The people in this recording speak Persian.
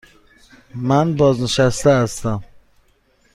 من بازنشسته هستم.